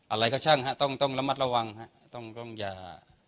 อะไรก็ช่างฮะต้องระมัดระวังฮะต้องอย่า